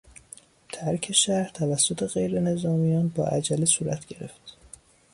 ترک شهر توسط غیرنظامیان با عجله صورت گرفت.